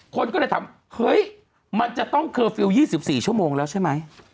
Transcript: คนก็เลยถามเฮ้ยมันจะต้องเคอร์ฟิลล์๒๔ชั่วโมงแล้วใช่ไหม